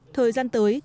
thời gian tới